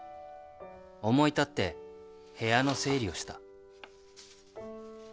思い立って部屋の整理をした